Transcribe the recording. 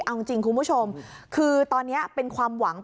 เอาจริงคุณผู้ชมคือตอนนี้เป็นความหวัง